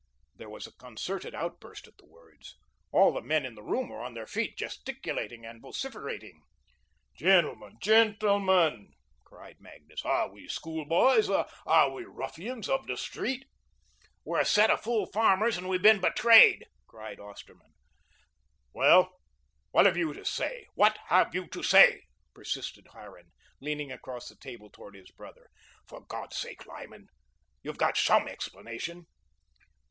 There was a concerted outburst at the words. All the men in the room were on their feet, gesticulating and vociferating. "Gentlemen, gentlemen," cried Magnus, "are we schoolboys, are we ruffians of the street?" "We're a set of fool farmers and we've been betrayed," cried Osterman. "Well, what have you to say? What have you to say?" persisted Harran, leaning across the table toward his brother. "For God's sake, Lyman, you've got SOME explanation."